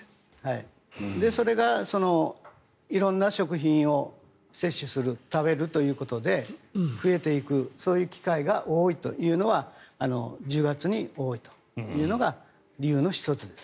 それが色んな食品を摂取する、食べるということで増えていくそういう機会が多いというのは１０月に多いというのが理由の１つです。